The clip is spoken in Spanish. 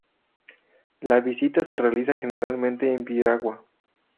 La visita se realiza generalmente en piragua.